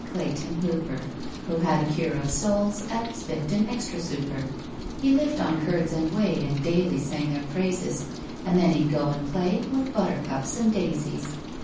CLAYTON HOOPER, Who had a cure of souls At Spiffton extra Sooper. He lived on curds and whey, And daily sang their praises, And then he'd go and play With buttercups and daisies.